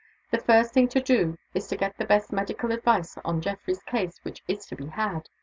The first thing to do is to get the best medical advice on Geoffrey's case which is to be had.